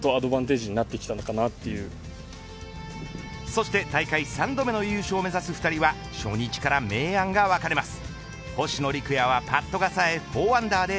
そして大会３度目の優勝を目指す２人は初日から明暗が分かれます。